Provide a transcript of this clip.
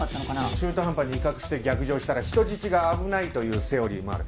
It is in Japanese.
中途半端に威嚇して逆上したら人質が危ないというセオリーもある。